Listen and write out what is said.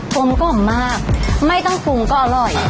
ลมกล่อมมากไม่ต้องปรุงก็อร่อย